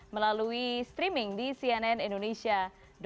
melalui streaming di cnn indonesia prime news